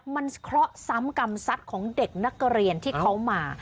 มันเคราะห์ซ้ำกรรมสัตว์ของเด็กนักเรียนที่เขามา